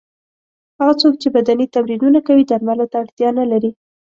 هغه څوک چې بدني تمرینونه کوي درملو ته اړتیا نه لري.